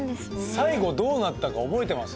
最後どうなったか覚えてます？